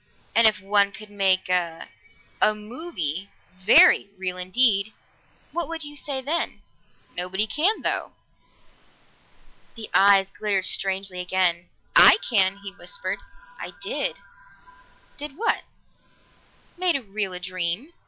And if one could make a a movie very real indeed, what would you say then?" "Nobody can, though." The eyes glittered strangely again. "I can!" he whispered. "I did!" "Did what?" "Made real a dream."